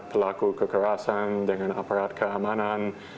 apalagi laku kekerasan dengan aparat keamanan